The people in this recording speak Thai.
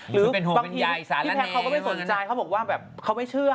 บางทีแม่แท็กเขาก็ไม่สนใจเขาบอกว่าแบบเขาไม่เชื่อ